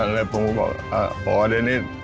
เลยผมก็บอกอ่ะพอเดี๋ยวนิด